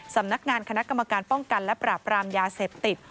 สำนักงานคณะกรรมการป้องกันและปราบรามยาเสพติด